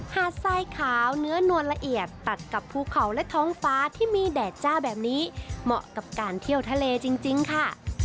หาดทรายขาวเนื้อนวลละเอียดตัดกับภูเขาและท้องฟ้าที่มีแดดจ้าแบบนี้เหมาะกับการเที่ยวทะเลจริงค่ะ